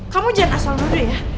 kamu jangan asal asal ya